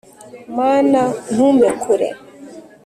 mana, ntumbe kure